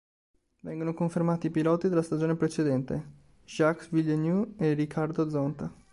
Vengono confermati i piloti della stagione precedente, Jacques Villeneuve e Ricardo Zonta.